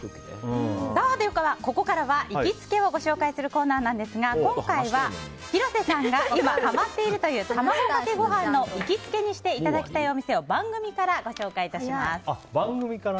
ここからは行きつけをご紹介するコーナーですが今回は、広瀬さんが今、はまっているという卵かけご飯の行きつけにしていただきたいお店を番組からご紹介致します。